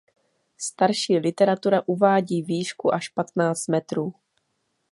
Starší literatura uvádí výšku až patnáct metrů.